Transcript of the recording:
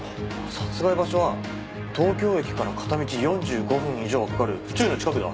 殺害場所は東京駅から片道４５分以上はかかる府中の近くだ。